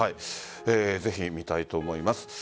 ぜひ見たいと思います。